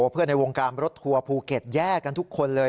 ในวงการรถทัวร์ภูเก็ตแยกกันทุกคนเลย